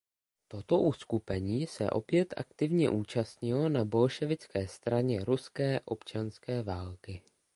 Toto uskupení se opět aktivně účastnilo na bolševické straně ruské občanské války.